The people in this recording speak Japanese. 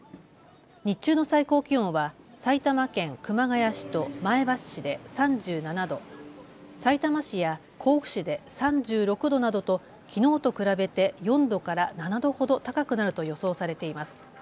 日中の最高気温は埼玉県熊谷市と前橋市で３７度、さいたま市や甲府市で３６度などときのうと比べて４度から７度ほど高くなると予想されています。